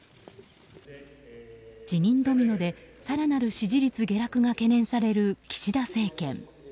辞任ドミノで更なる支持率下落が予想される岸田政権。